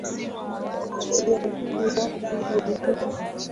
Siamini hao wengine